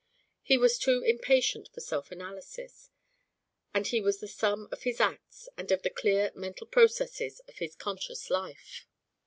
He was too impatient for self analysis; and he was the sum of his acts and of the clear mental processes of his conscious life.